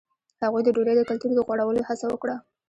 هغوی د ډوډۍ د کلتور د غوړولو هڅه وکړه.